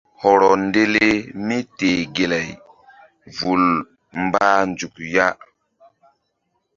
Hɔrɔ ndele míteh gelay vul mbah nzuk ya.